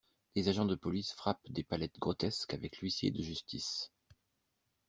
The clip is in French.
Des agents de police frappent des palettes grotesques avec l'huissier de justice...